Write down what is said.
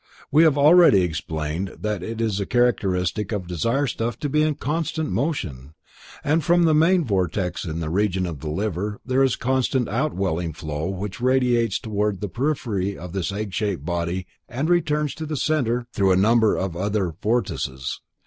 We have already explained that it is a characteristic of desire stuff to be in constant motion, and from the main vortex in the region of the liver there is a constant outwelling flow which radiates towards the periphery of this egg shaped body and returns to the center through a number of other vortices.